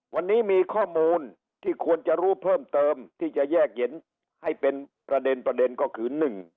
วันนี้มีข้อมูลที่ควรจะรู้เพิ่มเติมที่จะแยกเย็นให้เป็นประเด็นประเด็นก็คือ